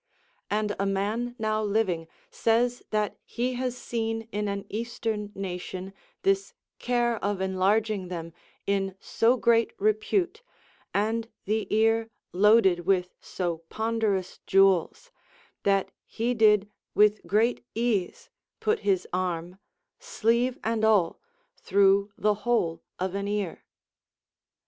And a man now living says that he has seen in an eastern nation this care of enlarging them in so great repute, and the ear loaded with so ponderous jewels, that he did with great ease put his arm, sleeve and all, through the hole of an ear.